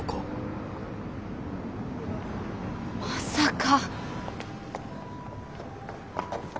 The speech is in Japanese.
まさか。